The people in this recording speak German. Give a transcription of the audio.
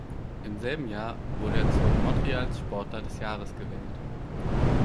Im selben Jahr wurde er zu Montreals Sportler des Jahres gewählt.